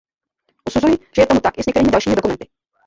Usuzuji, že je tomu tak i s některými dalšími dokumenty.